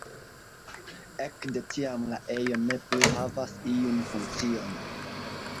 Ekde tiam la ejo ne plu havas iun funkcion.